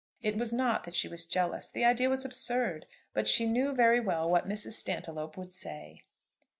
It was not that she was jealous. The idea was absurd. But she knew very well what Mrs. Stantiloup would say.